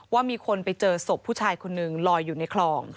ว่ามีคนไปเจอศพผู้ชายคนนึงลอยอยู่ในคลอง